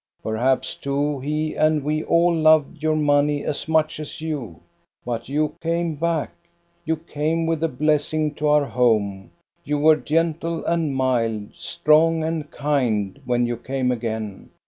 Perhaps too he and we all loved your money as much as you. But you came back, you came with a blessing to our home; you were gentle and mild, strong and kind, when you came again.